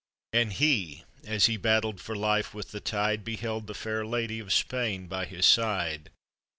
And he, as he battled for life with the tide. Beheld the fair lady of Spain by his side.